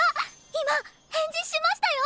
今返事しましたよ！